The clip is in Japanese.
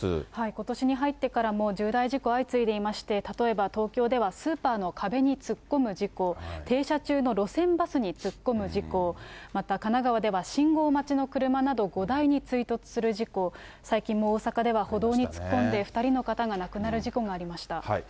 ことしに入ってからも重大事故相次いでいまして、例えば東京ではスーパーの壁に突っ込む事故、停車中の路線バスに突っ込む事故、また、神奈川では信号待ちの車など５台に追突する事故、最近も大阪では歩道に突っ込んで２人の方が亡くなる事故がありました。